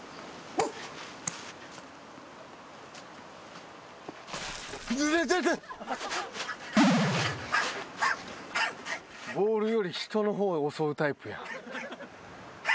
ボールより人の方襲うタイプや。